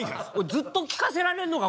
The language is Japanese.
ずっと聞かせられんのか？